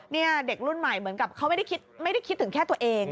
นี่เด็กรุ่นใหม่เหมือนกับเขาไม่ได้คิดถึงแค่ตัวเอง